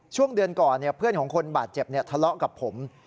ช่วงเดือนก่อนเพื่อนของคนบาดเจ็บทะเลาะกับผม